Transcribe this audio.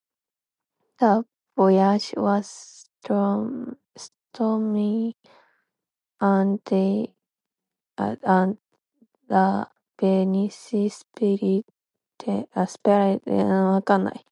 The voyage was stormy and the vessels separated near the English Channel.